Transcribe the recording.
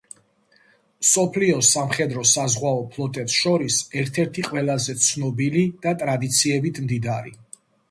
მსოფლიოს სამხედრო-საზღვაო ფლოტებს შორის ერთ-ერთი ყველაზე ცნობილი და ტრადიციებით მდიდარი.